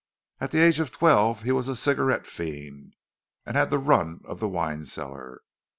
At the age of twelve he was a cigarette fiend, and had the run of the wine cellar.